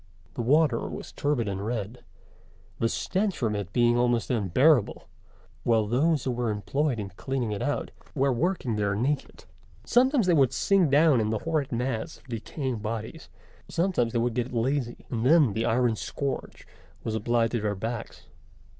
The water was turbid and red, the stench from it being almost unbearable, while those who were employed in cleaning it out were working there naked. Sometimes they would sink down in the horrid mass of decaying bodies: sometimes they would get lazy, and then the iron scourge was applied to their backs.